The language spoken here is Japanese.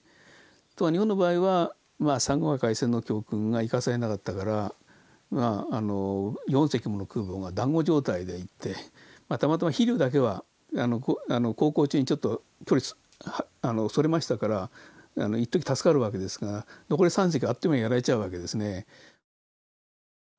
日本の場合は珊瑚海海戦の教訓が生かされなかったから４隻もの空母がだんご状態で行ってたまたま飛龍だけは航行中にそれましたからいっとき助かるわけですが残り３隻はあっという間にやられちゃうわけですね。